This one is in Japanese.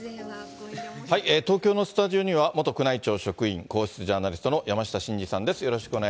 東京のスタジオには、元宮内庁職員、皇室ジャーナリストの山下晋司さんです。